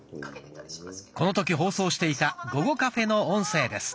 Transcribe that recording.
この時放送していた「ごごカフェ」の音声です。